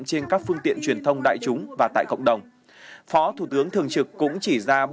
trên các phương tiện truyền thông đại chúng và tại cộng đồng phó thủ tướng thường trực cũng chỉ ra